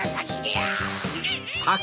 あ！